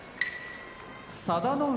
佐田の海